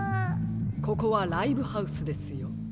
ここはライブハウスですよ。